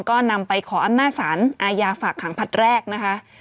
ก็นำไปขออำนาจสารอาญาฝากขังผลัดแรกนะคะ